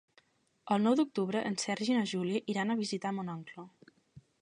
El nou d'octubre en Sergi i na Júlia iran a visitar mon oncle.